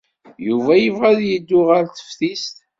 Yuba yebɣa ad yeddu ɣer teftist.